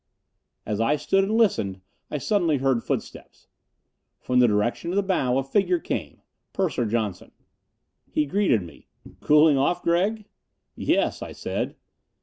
As I stood and listened, I suddenly heard footsteps. From the direction of the bow a figure came. Purser Johnson. He greeted me. "Cooling off, Gregg?" "Yes," I said.